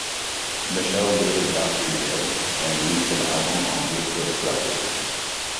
Michel'le dated Doctor Dre and released an album on Ruthless Records.